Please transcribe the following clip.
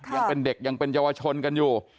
ยังเป็นเด็กยังเป็นเยาวชนกันอยู่